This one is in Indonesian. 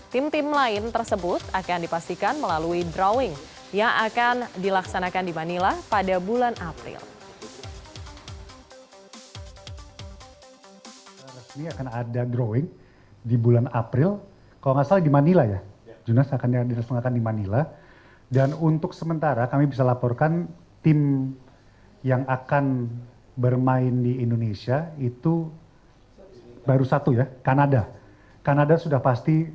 tim tim lain tersebut akan dipastikan melalui drawing yang akan dilaksanakan di manila pada bulan april